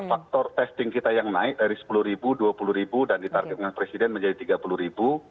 faktor testing kita yang naik dari sepuluh ribu dua puluh ribu dan ditargetkan presiden menjadi tiga puluh ribu